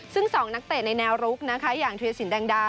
ซึ่ง๒นักเตะในแนวรุกนะคะอย่างธีรสินแดงดา